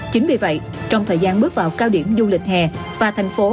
chính vì vậy trong thời gian bước vào cao điểm du lịch hè và thành phố